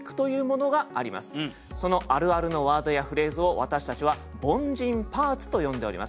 そのあるあるのワードやフレーズを私たちは「凡人パーツ」と呼んでおります。